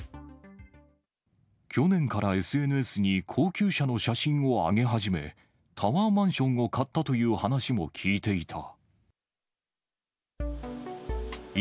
去年からＳＮＳに高級車の写真を上げ始め、タワーマンションを買ったという話も聞いていた。